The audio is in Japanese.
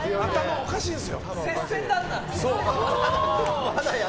おかしいんですよ。